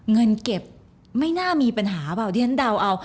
เงินเก็บไม่น่ามีปัญหาบ้างทั้งเดิน